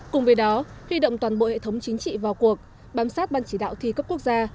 cùng với đó huy động toàn bộ hệ thống chính trị vào cuộc bám sát ban chỉ đạo thi cấp quốc gia